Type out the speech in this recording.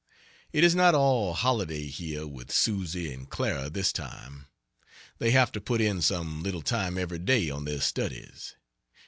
It is not all holiday here with Susie and Clara this time. They have to put in some little time every day on their studies.